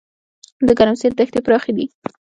د ګرمسیر دښتې پراخې دي